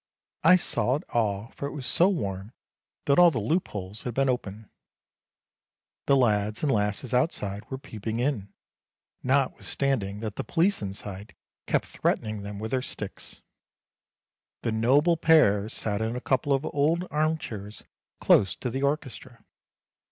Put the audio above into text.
I saw it all, for it was so warm that all the loop holes had been opened. The lads and lasses outside were peep ing in, notwithstanding that the police inside kept threatening them with their sticks. The noble pair sat in a couple of old arm chairs close to the orchestra.